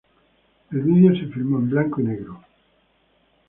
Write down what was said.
El vídeo se filmó en blanco y negro.